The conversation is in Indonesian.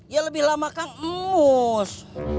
ya lebih lama kang emis